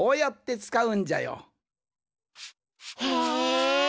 へえ。